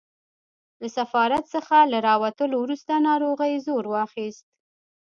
له سفارت څخه له راوتلو وروسته ناروغۍ زور واخیست.